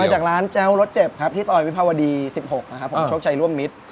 จากร้านแจ้วรสเจ็บครับที่ซอยวิภาวดี๑๖นะครับผมโชคชัยร่วมมิตร